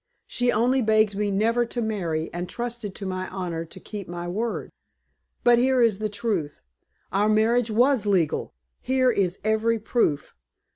She only begged me never to marry, and trusted to my honor to keep my word. But here is the truth. Our marriage was legal! Here is every proof.